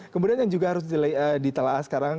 kemudian yang juga harus ditelah sekarang